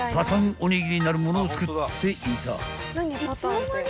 おにぎりなるものを作っていた］